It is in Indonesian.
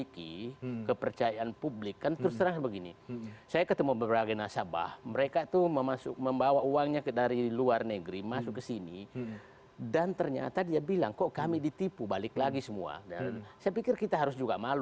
kalau publik menyatakan bahwa ini serius